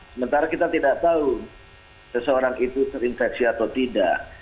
sementara kita tidak tahu seseorang itu terinfeksi atau tidak